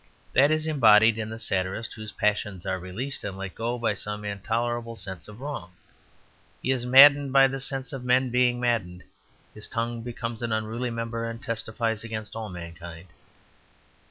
That is embodied in the satirist whose passions are released and let go by some intolerable sense of wrong. He is maddened by the sense of men being maddened; his tongue becomes an unruly member, and testifies against all mankind.